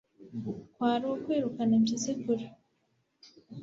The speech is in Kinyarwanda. Kwari ukwirukana impyisi kure